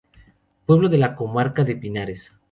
Pueblo de la comarca de Pinares.